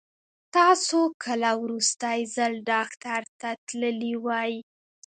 تاسو کله وروستی ځل ډاکټر ته تللي وئ؟